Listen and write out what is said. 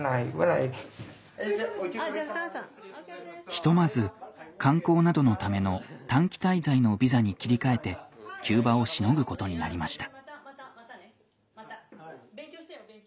ひとまず観光などのための短期滞在のビザに切り替えて急場をしのぐことになりました。